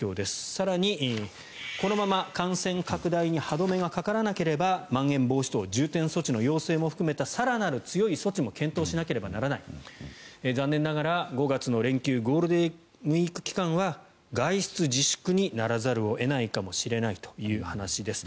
更に、このまま感染拡大に歯止めがかからなければまん延防止等重点措置の要請も含めた更なる強い措置も検討しなければならない残念ながら５月の連休ゴールデンウィーク期間は外出自粛にならざるを得ないかもしれないという話です